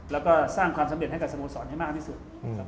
แล้วก็สร้างความสำเร็จให้กับสโมสรให้มากที่สุด